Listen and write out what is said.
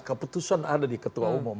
keputusan ada di ketua umum